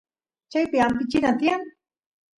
chaypi ampichina tiyan